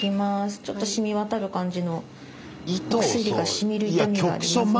ちょっとしみ渡る感じのお薬がしみる痛みがありますね。